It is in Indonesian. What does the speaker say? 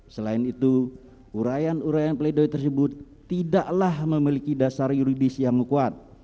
selain itu urayan urayan pleidoi tersebut tidaklah memiliki dasar yuridis yang kuat